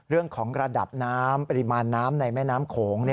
เรื่องของระดับน้ำปริมาณน้ำในแม่น้ำโขง